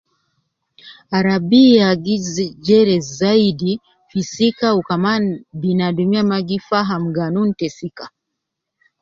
Arabia gi zi jere zaidi fi sika wu kaman binadumiya ma gi faham Ganun te sika